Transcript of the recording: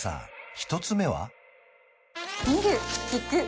１つ目は？